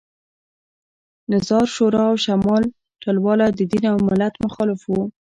نظار شورا او شمال ټلواله د دین او ملت مخالف وو